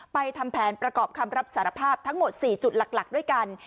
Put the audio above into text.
ทำแผนประกอบคำรับสารภาพทั้งหมด๔จุดหลักด้วยกัน